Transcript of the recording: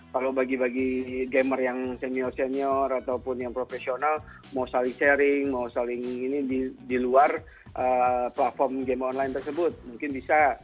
kalau bagi bagi gamer yang senior senior ataupun yang profesional mau saling sharing mau saling ini di luar platform game online tersebut mungkin bisa